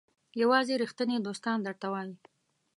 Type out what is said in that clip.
یوازې ریښتیني دوستان درته وایي.